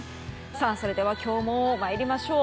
それでは今日も参りましょう。